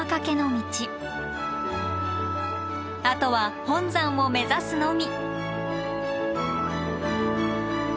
あとは本山を目指すのみ！